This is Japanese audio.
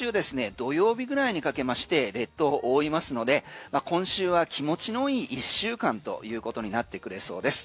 土曜日ぐらいにかけまして列島覆いますので今週は気持ちの良い１週間ということになってくれそうです。